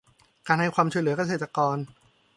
การให้ความช่วยเหลือเกษตรกร